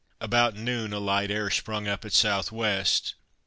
About noon, a light air sprung up at south west.